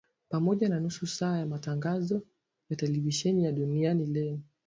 pamoja na nusu saa ya matangazo ya televisheni ya Duniani Leo